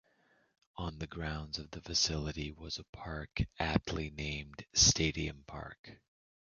On the grounds of the facility was a park, aptly named "Stadium Park".